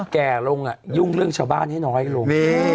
แก่ลงยุ่งเรื่องชาวบ้านให้น้อยลง